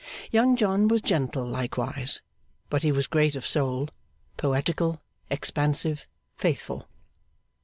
Young John was gentle likewise. But he was great of soul. Poetical, expansive, faithful.